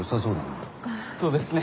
そうですね。